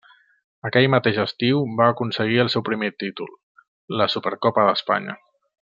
Aquell mateix estiu va aconseguir el seu primer títol, la Supercopa d'Espanya.